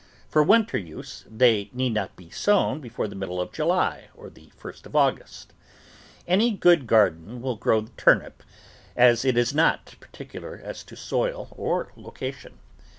For winter use, they need not be sown before the middle of July or the first of August. Any good garden soil will grow the turnip, as it is not particular as to soil or location.